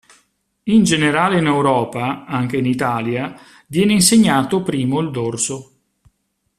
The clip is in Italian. In generale in Europa (anche in Italia) viene insegnato primo il dorso.